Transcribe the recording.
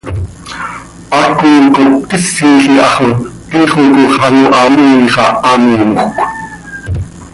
Haaco cop quisil iha xo tiix oo coox an hamoii xah hamiimjöc.